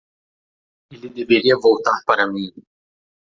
Ele deveria voltar para mim